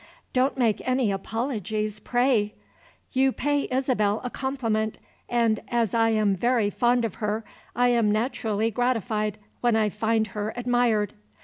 Don't make any apologies, pray! You pay Isabel a compliment, and, as I am very fond of her, I am naturally gratified when I find her admired.